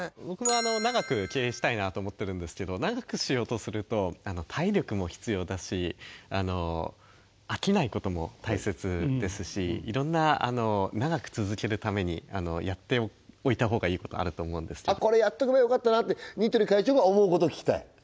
僕は長く経営したいなと思ってるんですけど長くしようとすると体力も必要だし飽きないことも大切ですしいろんな長く続けるためにやっておいた方がいいことあると思うんですけどこれやっとけばよかったなって似鳥会長が思うことを聞きたい？